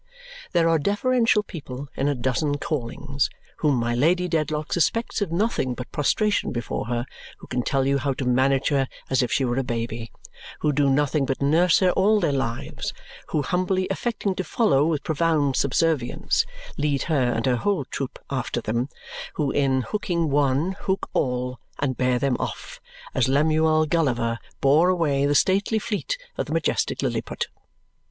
There are deferential people in a dozen callings whom my Lady Dedlock suspects of nothing but prostration before her, who can tell you how to manage her as if she were a baby, who do nothing but nurse her all their lives, who, humbly affecting to follow with profound subservience, lead her and her whole troop after them; who, in hooking one, hook all and bear them off as Lemuel Gulliver bore away the stately fleet of the majestic Lilliput.